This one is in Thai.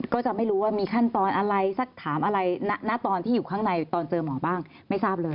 ก็จะไม่รู้ว่ามีขั้นตอนอะไรสักถามอะไรณตอนที่อยู่ข้างในตอนเจอหมอบ้างไม่ทราบเลย